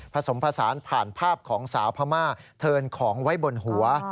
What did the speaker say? ผสมผสานผ่านภาพของสาวพม่าเทินของไว้บนหัว